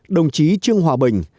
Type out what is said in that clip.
đồng chí trương hòa bình